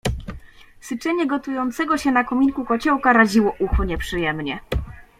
"Syczenie gotującego się na kominku kociołka raziło ucho nieprzyjemnie."